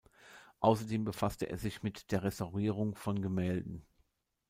Außerdem befasste er sich mit der Restaurierung von Gemälden.